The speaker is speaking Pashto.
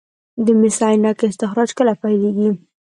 د مس عینک کان استخراج کله پیلیږي؟